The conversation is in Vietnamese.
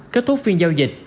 kết thúc phiên giao dịch